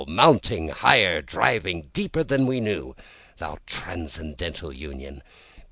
mounting higher, diving deeper than we knew, thou transcendental Union!